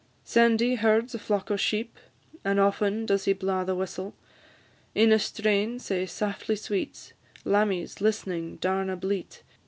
"Sandy herds a flock o' sheep; Aften does he blaw the whistle In a strain sae saftly sweet, Lammies list'ning daurna bleat.